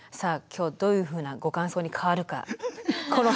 今日どういうふうなご感想に変わるかこの。